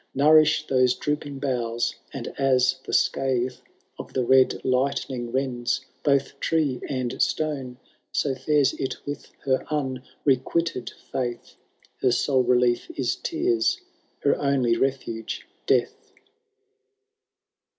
171 Kouriflh thoee drooping boughfl, and as the scathe Of the red lightning lends both tree and stone. So fines it with her unrequited fiiith^^ Her sole relief is tears— her only refnge death.